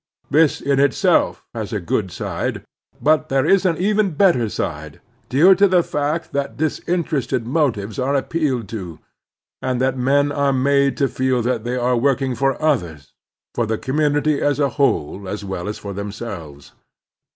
This in itself has ^a good side; but there is an even better side, due to the fact that disinterested motives are appealed to, and that men are made to feel that they are working for others, for the commtmity as a whole as well as for themselves.